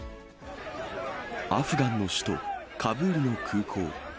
アフガンの首都カブールの空港。